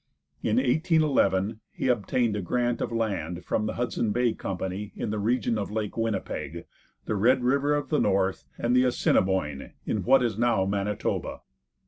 In 1811 he obtained a grant of land from the Hudson Bay Company in the region of Lake Winnipeg, the Red River of the North and the Assinaboine, in what is now Manitoba.